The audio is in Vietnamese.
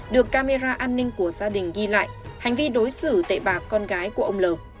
được camera an ninh của gia đình ghi lại hành vi đối xử tệ bà con gái của ông l